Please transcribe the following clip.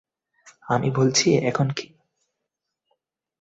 আমি বলছি, এখন কী?